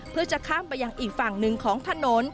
เพื่อจะข้ามไปยังอีกฝั่งหนึ่งของถนน